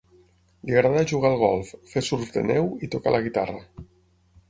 Li agrada jugar al golf, fer surf de neu i tocar la guitarra.